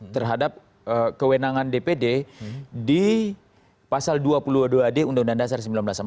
terhadap kewenangan dpd di pasal dua puluh dua d undang undang dasar seribu sembilan ratus empat puluh